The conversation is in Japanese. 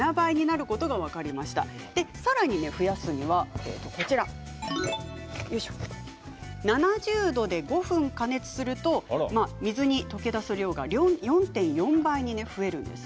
さらに増やすには７０度で５分加熱すると水に溶け出す量が４．４倍に増えるんです。